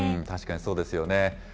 確かにそうですよね。